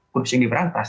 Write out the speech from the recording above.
kursi yang diperantas